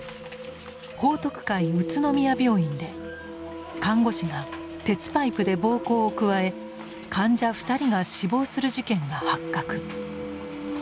報徳会宇都宮病院で看護師が鉄パイプで暴行を加え患者２人が死亡する事件が発覚。